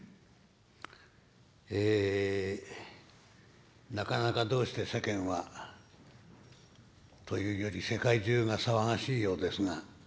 ええなかなかどうして世間はというより世界中が騒がしいようですが。